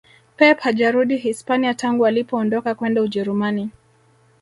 Pep hajarudi Hispania tangu alipoondoka kwenda ujerumani